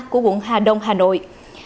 của quận hà đông hà nội